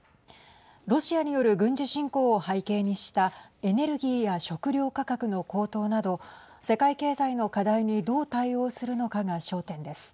ロシアによる軍事侵攻を背景にしたエネルギーや食料価格の高騰など世界経済の課題にどう対応するのかが焦点です。